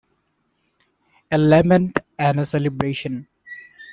A lament and a celebration.